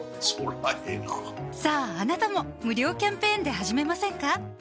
そりゃええなさぁあなたも無料キャンペーンで始めませんか？